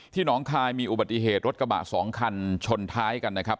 น้องคายมีอุบัติเหตุรถกระบะสองคันชนท้ายกันนะครับ